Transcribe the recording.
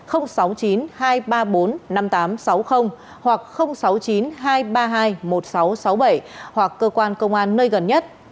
hoặc sáu mươi chín hai trăm ba mươi hai một nghìn sáu trăm sáu mươi bảy hoặc cơ quan công an nơi gần nhất